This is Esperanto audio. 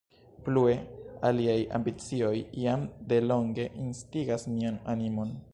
Plue, aliaj ambicioj jam de longe instigas mian animon.